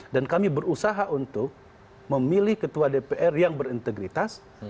dan kami berusaha untuk memilih ketua dpr yang berintegritas